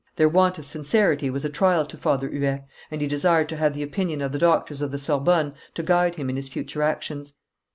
Their want of sincerity was a trial to Father Huet, and he desired to have the opinion of the Doctors of the Sorbonne to guide him in his future actions.